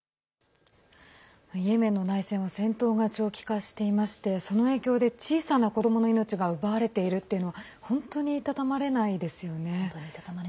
イエメンの内戦は戦闘が長期化していましてその影響で、小さな子どもの命が奪われているというのは本当にいたたまれないですよね。